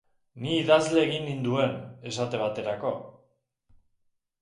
Ni idazle egin ninduen, esate baterako.